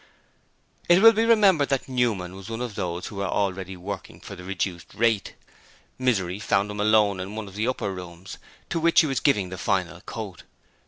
It will be remembered that Newman was one of those who were already working for the reduced rate. Misery found him alone in one of the upper rooms, to which he was giving the final coat.